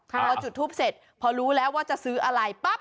พอจุดทูปเสร็จพอรู้แล้วว่าจะซื้ออะไรปั๊บ